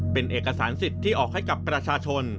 เป็นเอกสารสิทธิ์ที่ออกให้กับประชาชน